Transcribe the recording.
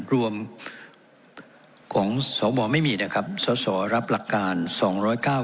รวมของสวไม่มีนะครับสอสอรับหลักการสองร้อยเก้า